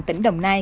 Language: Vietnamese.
tỉnh đồng nai